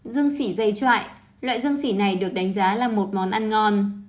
dương sỉ dây chọi loại dương sỉ này được đánh giá là một món ăn ngon